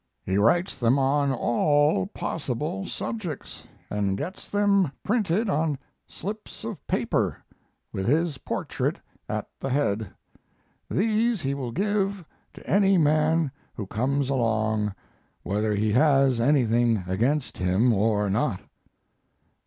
He writes them on all possible subjects, and gets them printed on slips of paper, with his portrait at the head. These he will give to any man who comes along, whether he has anything against him or not....